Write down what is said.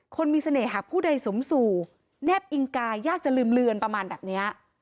คนมีเสน่ห์ผู้ใดสมสู่แนบอิงกายยากจะลืมเลือนประมาณแบบนี้